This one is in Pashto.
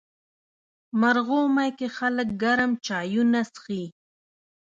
مرغومی کې خلک ګرم چایونه څښي.